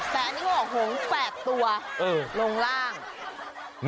แต่อันนี้ก็หง๘ตัวลงร่าง